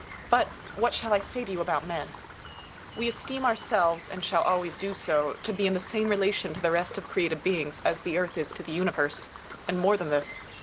But what shall I say to you about men ? We esteem ourselves (and shall always do so) to be in the same relation to the rest of created beings as the Earth is to the Universe. And more than this.